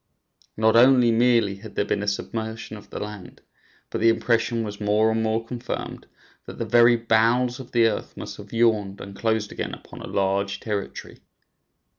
Not merely had there been a submersion of the land, but the impression was more and more confirmed that the very bowels of the earth must have yawned and closed again upon a large territory.